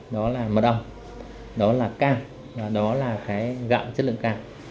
đó là mật ong đó là cam và đó là cái gạo chất lượng cam